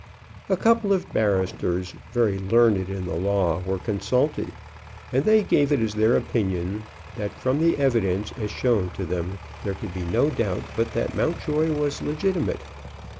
A couple of barristers very learned in the law were consulted, and they gave it as their opinion that from the evidence as shown to them there could be no doubt but that Mountjoy was legitimate.